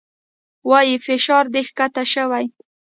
وايي فشار دې کښته شوى.